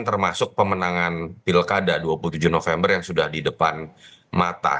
termasuk pemenangan pilkada dua puluh tujuh november yang sudah di depan mata